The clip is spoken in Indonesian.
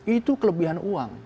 itu kelebihan uang